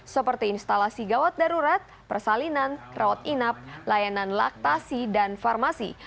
seperti instalasi gawat darurat persalinan rawat inap layanan laktasi dan farmasi